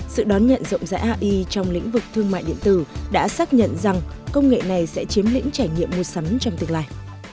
sự đón nhận rộng rãi ai trong lĩnh vực thương mại điện tử đã xác nhận rằng công nghệ này sẽ chiếm lĩnh trải nghiệm mua sắm trong tương lai